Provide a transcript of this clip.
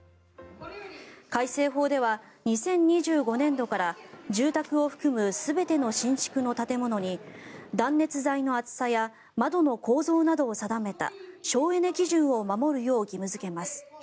改正法では２０２５年度から住宅を含む全ての新築の建物に断熱材の厚さや窓の構造などを定めた省エネ基準を守るよう義務付けます。